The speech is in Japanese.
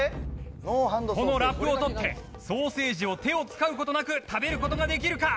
このラップを取ってソーセージを手を使う事なく食べる事ができるか？